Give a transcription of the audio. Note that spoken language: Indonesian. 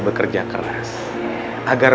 bekerja keras agar